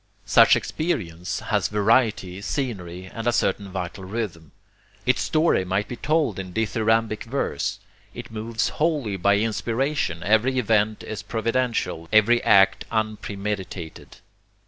Such experience has variety, scenery, and a certain vital rhythm; its story might be told in dithyrambic verse. It moves wholly by inspiration; every event is providential, every act unpremeditated.